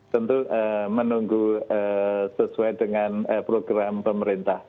tentu menunggu sesuai dengan program pemerintah